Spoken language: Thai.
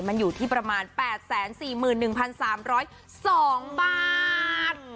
มันอยู่ที่ประมาณ๘๔๑๓๐๒บาท